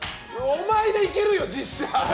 お前でいけるよ、実写。